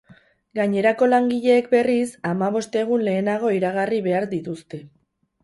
Gainerako langileek, berriz, hamabost egun lehenago iragarri behar dituzte.